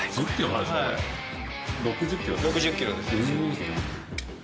６０キロです。